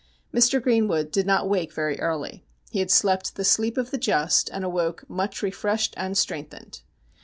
Mr. Greenwood did not wake very early. He had slept the sleep of the just, and awoke much refreshed and strengthened.